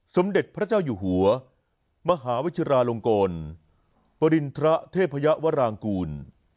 สมเด็จพระเจ้าอยู่หัวมหาวิชิราลงกลปริณฑระเทพยวรางกูล